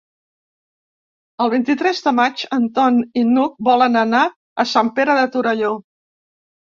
El vint-i-tres de maig en Ton i n'Hug volen anar a Sant Pere de Torelló.